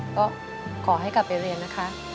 ก็ขอให้กลับไปเรียนนะคะ